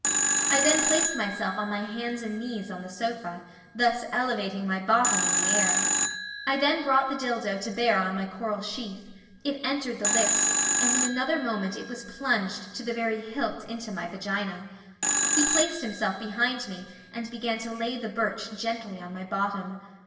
I then placed myself on my hands and knees on the sofa, thus elevating my bottom in the air. I then brought the dildo to bear on my coral sheath, it entered the lips and in another moment it was plunged to the very hilt into my vagina. He placed himself behind me and began to lay the birch gently on my bottom.